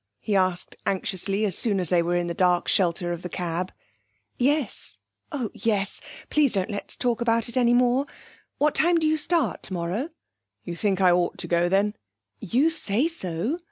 he asked anxiously, as soon as they were in the dark shelter of the cab. 'Yes, oh yes. Please don't let's talk about it any more... What time do you start tomorrow?' 'You think I ought to go then?' 'You say so.'